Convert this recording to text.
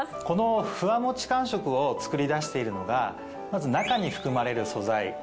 このふわもち感触を作り出しているのがまず中に含まれる素材。